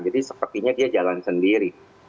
jadi sepertinya dia jalan sendiri